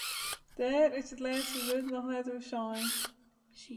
Dêr is it lêste wurd noch net oer sein.